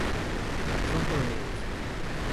Son coloniales.